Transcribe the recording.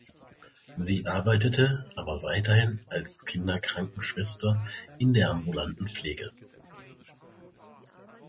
Sie arbeitete aber weiterhin als Kinderkrankenschwester in der ambulanten Pflege.